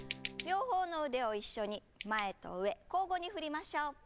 両方の腕を一緒に前と上交互に振りましょう。